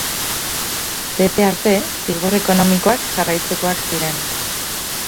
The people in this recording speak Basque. Bete arte, zigor ekonomikoak jarraitzekoak ziren.